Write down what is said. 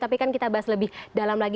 tapi kan kita bahas lebih dalam lagi